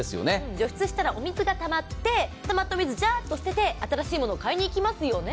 除湿したらお水がたまって、ジャーッと捨てて新しいものを買いに行きますよね。